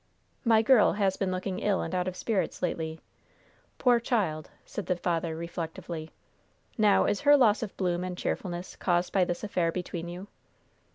"My girl has been looking ill and out of spirits lately. Poor child!" said the father, reflectively. "Now, is her loss of bloom and cheerfulness caused by this affair between you?"